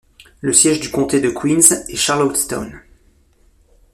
Le siège du comté de Queens est Charlottetown.